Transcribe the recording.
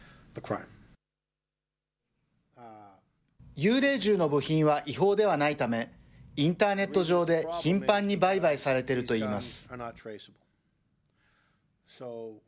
幽霊銃の部品は違法ではないため、インターネット上で頻繁に売買されているといいます。